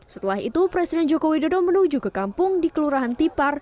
setelah itu presiden joko widodo menuju ke kampung di kelurahan tipar